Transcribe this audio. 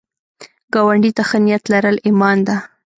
ګاونډي ته ښه نیت لرل ایمان ده